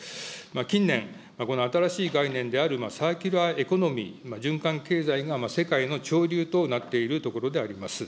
近年、この新しい概念であるサーキュラーエコノミー・循環経済が世界の潮流となっているところであります。